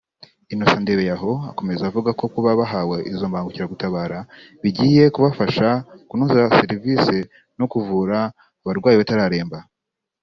Innocent Ndebeyaho akomeza avuga ko kuba bahawe izo mbangukiragutabara bigiye kubafasha kunoza serivisi no kuvura barwayi batararemba